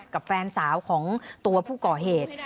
กับแฟนสาวของตัวผู้ก่อเหตุ